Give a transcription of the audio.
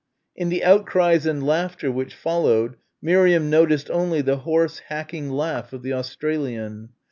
In the outcries and laughter which followed, Miriam noticed only the hoarse hacking laugh of the Australian.